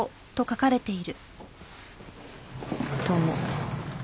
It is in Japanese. どうも。